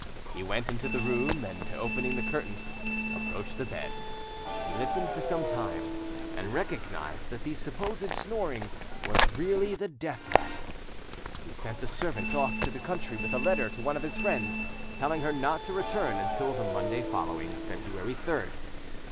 He went into the room, and, opening the curtains, approached the bed. He listened for some time, and recognised that the supposed snoring was really he death rattle. He sent the servant off into the country with a letter to one of his friends, telling her not to return until the Monday following, February 3rd.